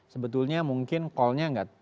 sebetulnya mungkin callnya